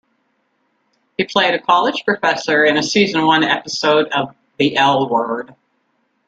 He played a college professor in a Season One episode of "The L Word".